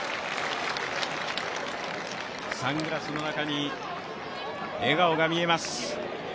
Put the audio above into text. サングラスの中に笑顔が見えます。